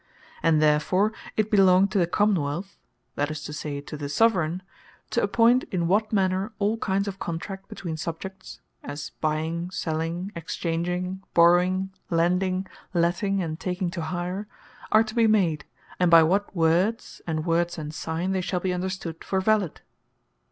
And therefore it belongeth to the Common wealth, (that is to say, to the Soveraign,) to appoint in what manner, all kinds of contract between Subjects, (as buying, selling, exchanging, borrowing, lending, letting, and taking to hire,) are to bee made; and by what words, and signes they shall be understood for valid.